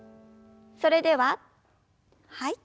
それでははい。